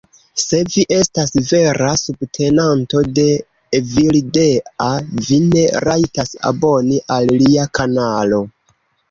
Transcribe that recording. Se vi estas vera subtenanto de Evildea, vi ne rajtas aboni al lia kanalo